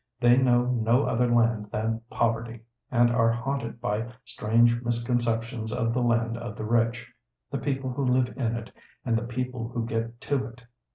They know no other land than poverty, and are haunted by strange misconceptions of the land of the rich; the people who live in it and the people who get to it.